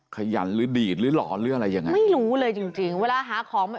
ขยันหรือดีดหรือหลอนหรืออะไรยังไงไม่รู้เลยจริงจริงเวลาหาของมัน